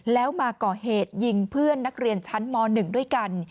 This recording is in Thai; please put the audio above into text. แล้วมาก่อเหตุยิงเพื่อนนักเรียนชั้นม๑ด้วยกัน